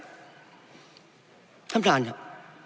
ท่านประธานครับ